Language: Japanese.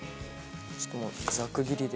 ちょっともうザク切りで。